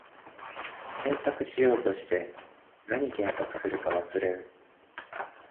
検索しようとして、なに検索するか忘れる